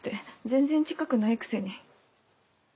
全然近くないくせに。